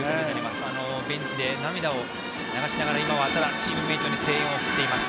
ベンチで涙を流しながら今はチームメートに声援を送っています。